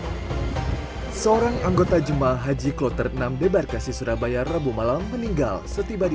hai seorang anggota jemaah haji kloterd enam debar kasi surabaya rabu malam meninggal setiba di